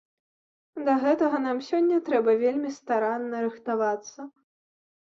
Да гэтага нам сёння трэба вельмі старанна рыхтавацца.